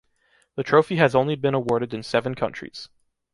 The trophy has only been awarded in seven countries.